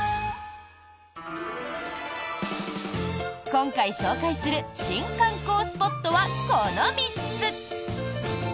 今回紹介する新観光スポットはこの３つ。